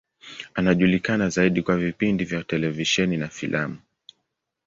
Anajulikana zaidi kwa vipindi vya televisheni na filamu.